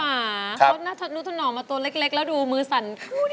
คุณป่าเขาหน้าทะนุทนอ่อนมาตัวเล็กแล้วดูมือสั่น